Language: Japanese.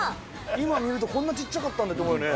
今見ると、こんな小っちゃかったんだと思うよね。